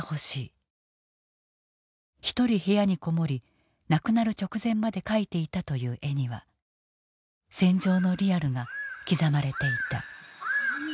一人部屋に籠もり亡くなる直前まで描いていたという絵には戦場のリアルが刻まれていた。